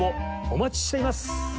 お待ちしています！